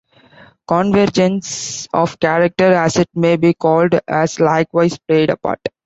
Convergence of character, as it may be called, has likewise played a part.